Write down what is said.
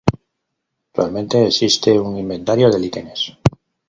Actualmente existe un inventario de líquenes.